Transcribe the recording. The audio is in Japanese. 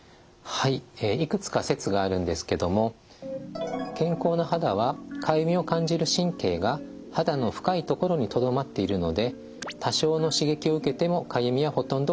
いくつか説があるんですけども健康な肌はかゆみを感じる神経が肌の深いところにとどまっているので多少の刺激を受けてもかゆみはほとんど感じません。